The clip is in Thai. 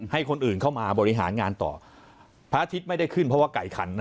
ให้คนอื่นเข้ามาบริหารงานต่อพระอาทิตย์ไม่ได้ขึ้นเพราะว่าไก่ขัน